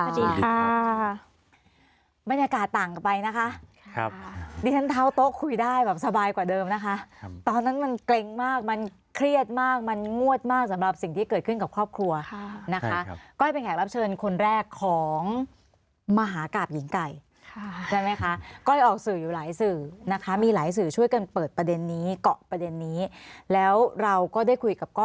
สวัสดีค่ะบรรยากาศต่างกันไปนะคะครับดิฉันเท้าโต๊ะคุยได้แบบสบายกว่าเดิมนะคะตอนนั้นมันเกร็งมากมันเครียดมากมันงวดมากสำหรับสิ่งที่เกิดขึ้นกับครอบครัวนะคะก้อยเป็นแขกรับเชิญคนแรกของมหากราบหญิงไก่ค่ะใช่ไหมคะก้อยออกสื่ออยู่หลายสื่อนะคะมีหลายสื่อช่วยกันเปิดประเด็นนี้เกาะประเด็นนี้แล้วเราก็ได้คุยกับก